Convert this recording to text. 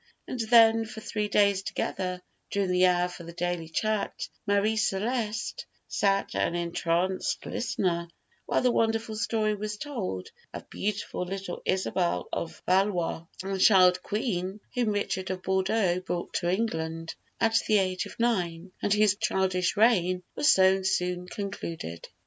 And then for three days together, during the hour for the daily chat, Marie Celeste sat an entranced listener, while the wonderful story was told of beautiful little Isabel of Valois, the child queen whom Richard of Bordeaux brought to England at the age of nine, and whose childish reign was so soon concluded.